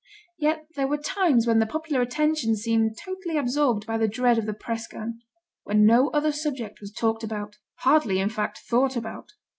Yet there were times when the popular attention seemed totally absorbed by the dread of the press gang; when no other subject was talked about hardly, in fact, thought about.